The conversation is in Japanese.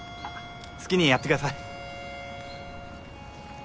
好きにやってください。